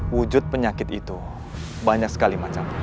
wujud penyakit itu banyak sekali macam